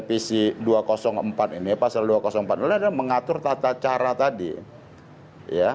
substansi dalam revisi dua ratus empat ini pasal dua ratus empat adalah mengatur tata cara tadi ya